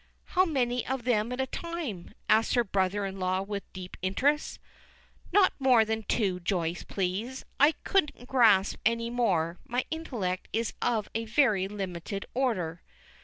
"How many of them at a time?" asks her brother in law with deep interest. "Not more than two, Joyce, please. I couldn't grasp any more. My intellect is of a very limited order."